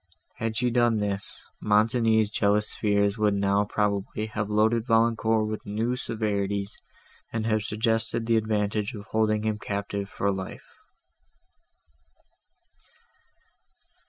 Had she done this, Montoni's jealous fears would now probably have loaded Valancourt with new severities, and have suggested the advantage of holding him a captive for life.